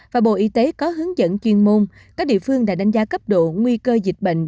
và bộ y tế có hướng dẫn chuyên môn các địa phương đã đánh giá cấp độ nguy cơ dịch bệnh